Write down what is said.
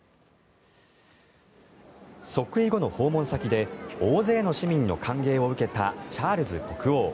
即位後の訪問先で大勢の市民の歓迎を受けたチャールズ国王。